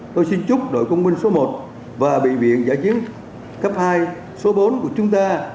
tôi xin chúc đội công binh số một và bệnh viện giã chiến cấp hai số bốn của chúng ta